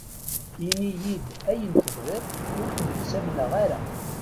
Ini-d ayen tebɣiḍ, ur kem-ttamneɣ ara.